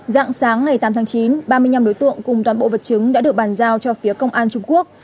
dạng sáng ngày tám tháng chín ba mươi năm đối tượng cùng toàn bộ vật chứng đã được bàn giao cho phía công an trung quốc